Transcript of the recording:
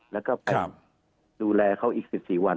แล้วก็ไปดูแลเขาอีก๑๔วัน